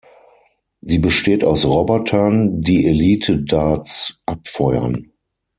Sie besteht aus Robotern, die Elite Darts abfeuern.